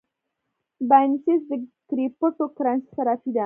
بایننس د کریپټو کرنسۍ صرافي ده